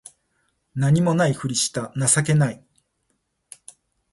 何も無いふりした情けない